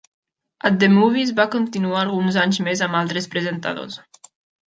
"At the Movies" va continuar alguns anys més amb altres presentadors.